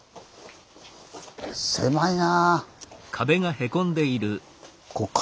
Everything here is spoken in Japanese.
狭いな。